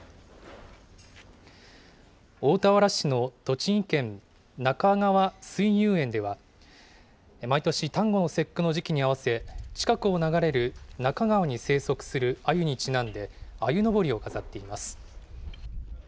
大田原市の栃木県なかがわ水遊園では、毎年、端午の節句に時期に合わせ、近くを流れる那珂川に生息するアユにちなんで、あゆのぼりを飾っています。